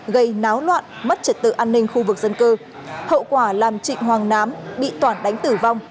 gây náo loạn mất trật tự an ninh khu vực dân cư hậu quả làm trịnh hoàng nám bị toản đánh tử vong